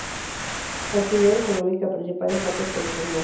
La actividad económica principal es la pesca del salmón.